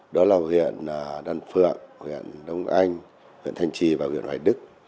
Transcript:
đó là huyện đan phượng huyện đông anh huyện thanh trì và huyện hoài đức